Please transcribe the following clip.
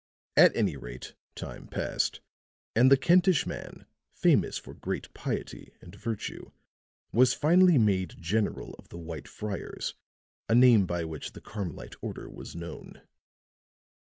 At any rate time passed and the Kentish man, famous for great piety and virtue, was finally made general of the White Friars, a name by which the Carmelite Order was known.